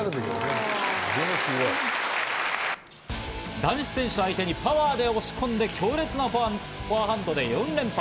男子選手を相手にパワーで押し込んで強烈なフォアハンドで４連発。